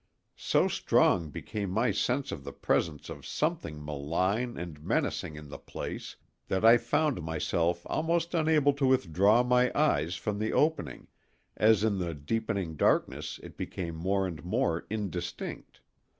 So strong became my sense of the presence of something malign and menacing in the place, that I found myself almost unable to withdraw my eyes from the opening, as in the deepening darkness it became more and more indistinct.